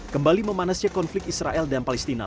kembali memanasnya konflik israel dan palestina